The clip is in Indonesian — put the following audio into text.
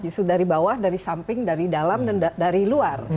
justru dari bawah dari samping dari dalam dan dari luar